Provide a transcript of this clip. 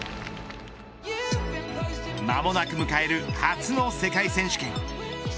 間もなく迎える初の世界選手権。